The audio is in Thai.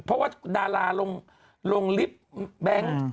เพราะว่าดาราลงลิฟต์แบงค์